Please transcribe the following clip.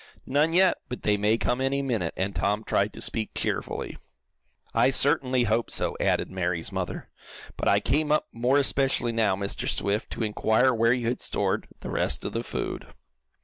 "None yet, but they may come any minute," and Tom tried to speak cheerfully. "I certainly hope so," added Mary's mother, "But I came up more especially now, Mr. Swift, to inquire where you had stored the rest of the food."